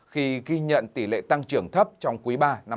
khi ghi nhận tỷ lệ tăng trưởng thấp trong quý ba năm hai nghìn một mươi chín